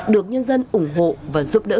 được nhân dân ủng hộ và giúp đỡ